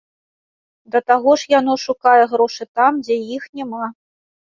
Да таго ж яно шукае грошы там, дзе іх няма.